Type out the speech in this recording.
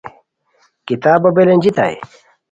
کتابو بلینجیتائے